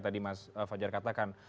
tadi mas fajar katakan